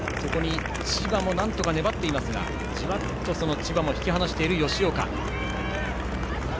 千葉もなんとか粘っていますがじわっと千葉も引き離している吉岡。